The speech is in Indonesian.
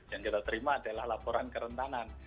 yang kita terima adalah laporan kerentanan